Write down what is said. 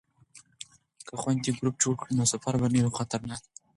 که خویندې ګروپ جوړ کړي نو سفر به نه وي خطرناک.